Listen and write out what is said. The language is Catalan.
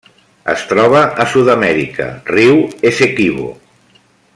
Es troba a Sud-amèrica: riu Essequibo.